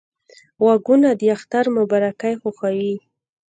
غوږونه د اختر مبارکۍ خوښوي